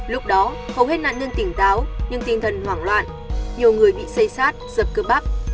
lúc đó hầu hết nạn nương tỉnh táo nhưng tinh thần hoảng loạn nhiều người bị xây xát dập cơ bắp